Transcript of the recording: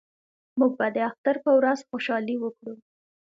موږ به د اختر په ورځ خوشحالي وکړو